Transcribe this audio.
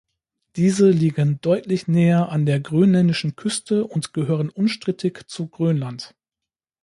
Diese liegen deutlich näher an der grönländischen Küste und gehören unstrittig zu Grönland.